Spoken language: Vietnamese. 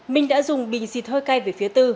minh đã dùng bình xịt hơi cay về phía tư